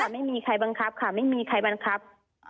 ไม่มีใครบังคับค่ะไม่มีใครบังคับ